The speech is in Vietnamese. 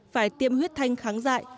phải tiêm huyết thanh kháng dại